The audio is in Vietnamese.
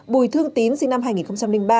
bùi thương tín sinh năm hai nghìn ba